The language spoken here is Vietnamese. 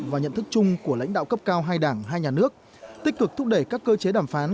và nhận thức chung của lãnh đạo cấp cao hai đảng hai nhà nước tích cực thúc đẩy các cơ chế đàm phán